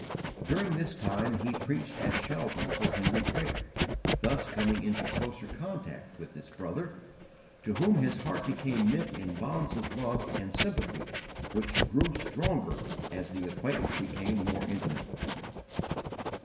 During this time he preached at Shaldon for Henry Craik, thus coming into closer contact with this brother, to whom his heart became knit in bonds of love and sympathy which grew stronger as the acquaintance became more intimate.